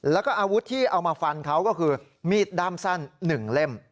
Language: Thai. แล้วก็อาวุธที่เอามาฟันเขาก็คือมีดด้ามสั้น๑เล่ม